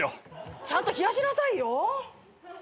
ちゃんと冷やしなさいよ。